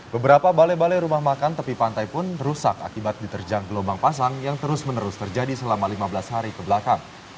beberapa balai balai rumah makan tepi pantai pun rusak akibat diterjang gelombang pasang yang terus menerus terjadi selama lima belas hari kebelakang